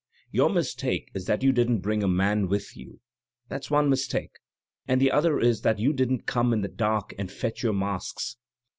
Your mistake is that you didn't bring a man with you; that's one mistake, and the other is that you didn't come in the dark and fetch your masks.